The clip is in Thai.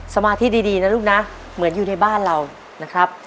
สมาธิดีนะลูกนะเหมือนอยู่ในบ้านเรานะครับ